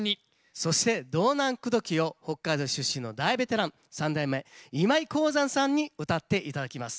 そして「道南口説」を北海道出身の大ベテラン三代目今井篁山さんにうたって頂きます。